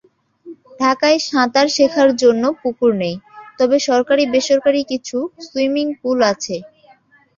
ঢাকায় সাঁতার শেখার জন্য পুকুর নেই, তবে সরকারি-বেসরকারি কিছু সুইমিং পুল আছে।